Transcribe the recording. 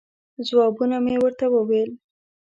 ځوابونه مې ورته وویل.